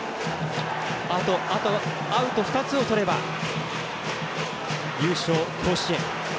あとアウト２つをとれば優勝、甲子園。